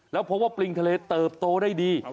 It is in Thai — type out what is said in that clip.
แล้วพบว่าปริงทะเลเติบโตได้ดี